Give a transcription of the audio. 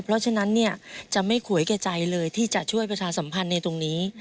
เพราะฉะนั้นเนี่ยจะไม่ขวยแก่ใจเลยที่จะช่วยประชาสัมพันธ์ในตรงนี้